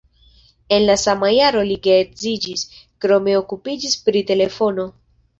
En la sama jaro li geedziĝis, krome okupiĝis pri telefono.